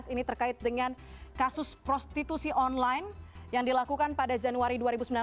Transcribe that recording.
ini terkait dengan kasus prostitusi online yang dilakukan pada januari dua ribu sembilan belas